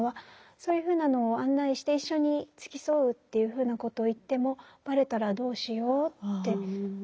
そういうふうなのを案内して一緒に付き添うというふうなことを言ってもバレたらどうしようって。